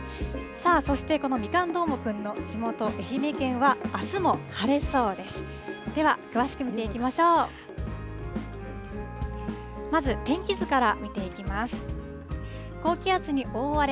さあ、そしてこのみかんどーもくんの地元、愛媛県は、あすも晴れ